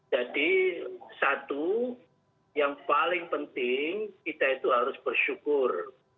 jadi satu yang paling penting kita itu harus bersyukur